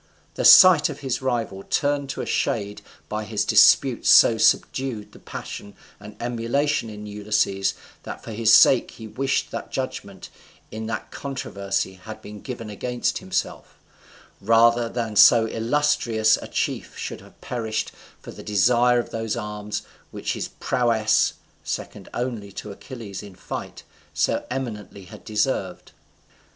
The sight of his rival turned to a shade by his dispute so subdued the passion of emulation in Ulysses that for his sake he wished that judgment in that controversy had been given against himself, rather than so illustrious a chief should have perished for the desire of those arms which his prowess (second only to Achilles in fight) so eminently had deserved.